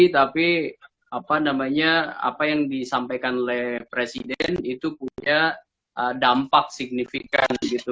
tapi apa namanya apa yang disampaikan oleh presiden itu punya dampak signifikan gitu